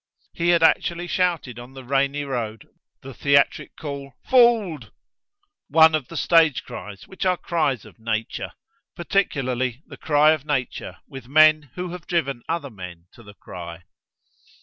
He had actually shouted on the rainy road the theatric call "Fooled!" one of the stage cries which are cries of nature! particularly the cry of nature with men who have driven other men to the cry.